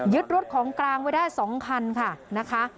ยึดรถของกลางไว้ได้๒คันค่ะ